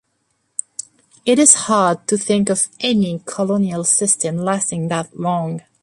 It is hard to think of any colonial system lasting that long.